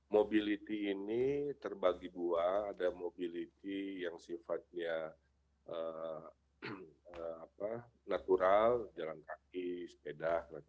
mobility ini terbagi dua ada mobility yang sifatnya natural jalan kaki sepeda